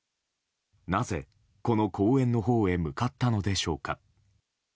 なぜ、この公園のほうへ向かったのでしょうか。